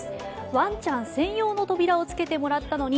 ワンちゃん専用の扉をつけてもらったのに。